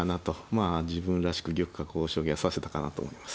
まあ自分らしく玉囲う将棋は指せたかなと思います。